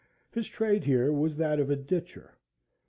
His trade here was that of a ditcher.